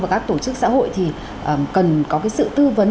và các tổ chức xã hội thì cần có cái sự tư vấn